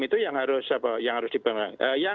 itu yang harus diperoleh